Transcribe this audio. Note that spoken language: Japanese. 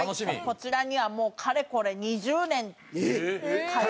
こちらにはもうかれこれ２０年通ってますね。